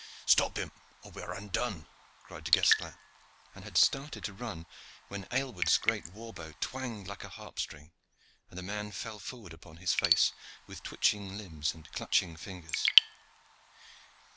"Stop him, or we are undone!" cried Du Guesclin, and had started to run, when Aylward's great war bow twanged like a harp string, and the man fell forward upon his face, with twitching limbs and clutching fingers.